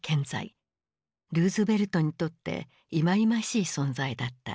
ルーズベルトにとっていまいましい存在だった。